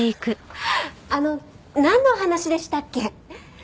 あのなんの話でしたっけ？